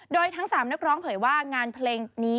โดยทั้ง๓นักร้องเผยว่างานเพลงนี้